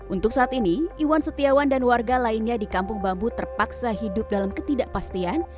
untuk saat ini iwan setiawan dan warga lainnya di kampung bambu terpaksa hidup dalam ketidakpastian